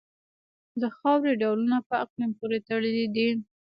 د خاورې ډولونه په اقلیم پورې تړلي دي.